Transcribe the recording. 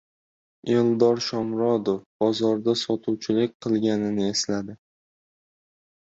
Eldor Shomurodov bozorda sotuvchilik qilganini esladi